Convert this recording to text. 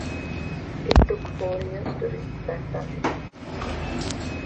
It took four years to reach that target.